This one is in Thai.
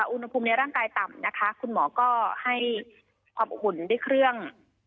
อุณหภูมิในร่างกายต่ำนะคะคุณหมอก็ให้ความอบอุ่นด้วยเครื่อง